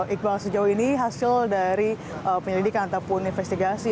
iqbal sejauh ini hasil dari penyelidikan ataupun investigasi